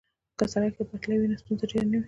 که سړک یا پټلۍ وي نو ستونزه ډیره نه وي